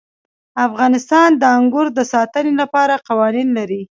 افغانستان د انګور د ساتنې لپاره قوانین لري.